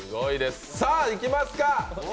さぁ、いきますか。